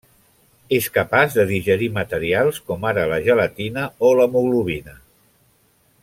És capaç de digerir materials com ara la gelatina o l'hemoglobina.